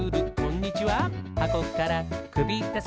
「はこからくびだす」